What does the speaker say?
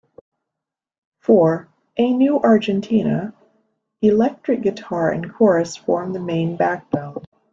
For "A New Argentina", electric guitar and chorus form the main backbone.